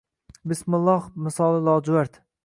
Bismilloh misoli lojuvard